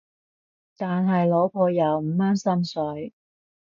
但係老婆又唔啱心水